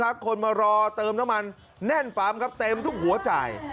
มีน้องคนมารอเติมน้ำมันนั่นปั๊มครับเต็มทุกหัวจัย